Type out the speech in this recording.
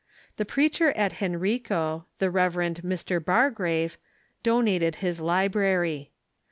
The preacher at Henrico, the Rev. Mr. Bargrave, do nated his library.